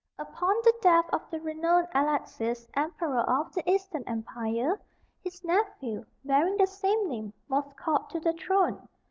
Upon the death of the renowned Alexis, Emperor of the Eastern Empire, his nephew, bearing the same name, was called to the throne.